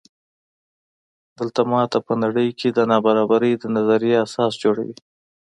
دغه ماته په نړۍ کې د نابرابرۍ د نظریې اساس جوړوي.